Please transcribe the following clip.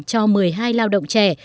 cho một mươi hai lao động trẻ